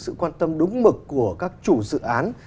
sự quan tâm đúng mực của các chủ dự án